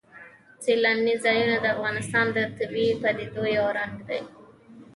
سیلانی ځایونه د افغانستان د طبیعي پدیدو یو رنګ دی.